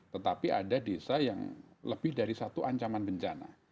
tetapi ada desa yang lebih dari satu ancaman bencana